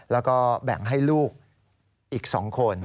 แล้วก็แบ่งให้ลูกอีก๒คน